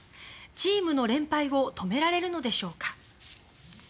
チームの連敗を止められるのでしょうか。